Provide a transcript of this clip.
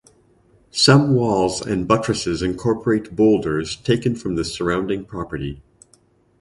Some walls and buttresses incorporate boulders taken from the surrounding property.